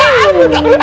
gak mau dong